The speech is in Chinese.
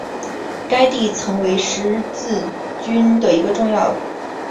该地曾为十字军的一个重要的供应港和军事基地。